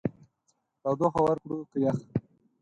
تودوخه ورکړو که يخ؟